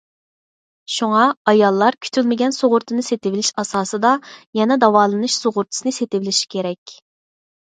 شۇڭا ئاياللار كۈتۈلمىگەن سۇغۇرتىنى سېتىۋېلىش ئاساسىدا يەنە داۋالىنىش سۇغۇرتىسىنى سېتىۋېلىشى كېرەك.